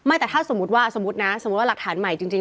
แต่ถ้าสมมุติว่าสมมุตินะสมมุติว่าหลักฐานใหม่จริง